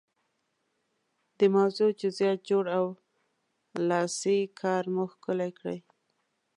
د موضوع جزئیات جوړ او لاسي کار مو ښکلی کړئ.